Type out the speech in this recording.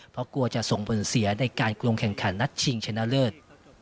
เพราะกลัวจะส่งผลเสียในการลงแข่งขันนัดชิงชนะเลิศ